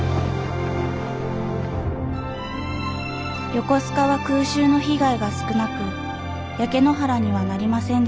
横須賀は空襲の被害が少なく焼け野原にはなりませんでした。